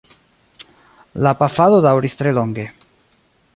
La pafado daŭris tre longe.